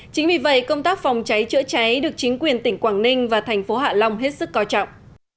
chính vì vậy công tác phòng cháy chữa cháy được chính quyền tỉnh quảng ninh và thành phố hạ long hết sức coi trọng